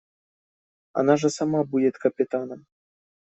Она же сама будет капитаном.